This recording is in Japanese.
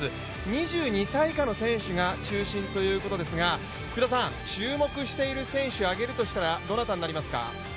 ２２歳以下の選手が中心ということですが注目している選手挙げるとしたらどなたになりますか？